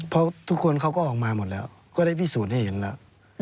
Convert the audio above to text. เพราะทุกคนเขาก็ออกมาหมดแล้วก็ได้พิสูจน์ให้เห็นแล้ว